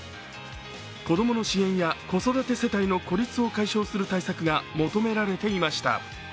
子供の支援や子育て世帯の孤立を解消する対策が求められていました。